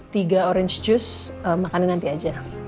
tiga orange juice makannya nanti aja